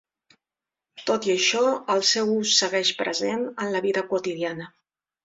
Tot i això, el seu ús segueix present en la vida quotidiana.